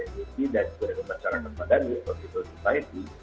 dan juga dari pembacaran kepada dprd itu